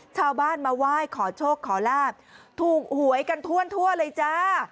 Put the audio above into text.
ชาวบ้านมาไหว้ขอโชคขอลาบถูกหวยกันทั่วเลยจ้า